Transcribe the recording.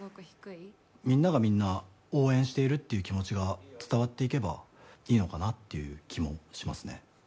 みんながみんな、応援しているという気持ちが伝わっていけばいいのかなという気もしますね。